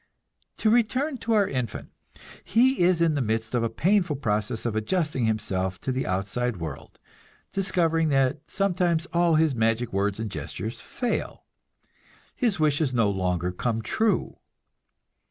To return to our infant: he is in the midst of a painful process of adjusting himself to the outside world; discovering that sometimes all his magic words and gestures fail, his wishes no longer come true.